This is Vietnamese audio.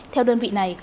theo đơn vị này